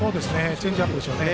チェンジアップでしょうね。